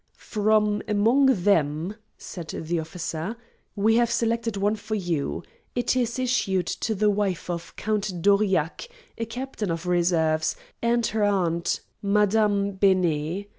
"From among them," said the officer, "we have selected one for you. It is issued to the wife of Count d'Aurillac, a captain of reserves, and her aunt, Madame Benet.